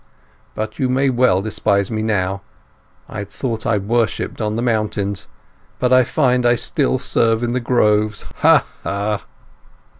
But you may well despise me now! I thought I worshipped on the mountains, but I find I still serve in the groves! Ha! ha!"